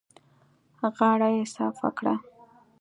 غاړه يې صافه کړه.